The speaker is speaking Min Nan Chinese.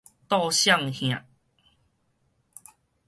倒摔向